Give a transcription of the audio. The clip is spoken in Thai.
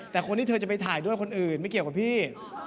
แต่คนที่เธอจะไปถ่ายด้วยคนอื่นไม่เกี่ยวกับพี่